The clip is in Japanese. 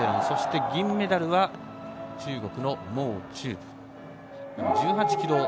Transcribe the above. そして銀メダルは中国の毛忠武。